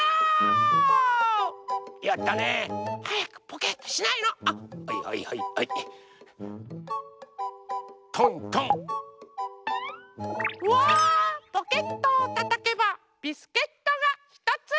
ポケットをたたけばビスケットがひとつ！